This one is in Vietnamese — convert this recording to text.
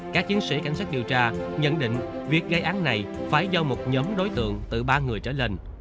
các chiến sĩ cảnh sát điều tra nhận định việc gây án này phải do một nhóm đối tượng từ ba người trở lên